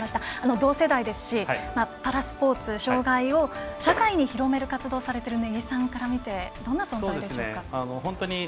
同世代ですしパラスポーツ、障がいを社会に広める活動をされている根木さんから見てどんな存在ですか？